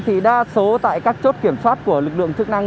thì đa số tại các chốt kiểm soát của lực lượng chức năng